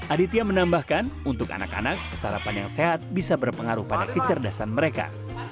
aditya menambahkan untuk anak anak sarapan yang sehat bisa berpengaruh pada kecerdasan mereka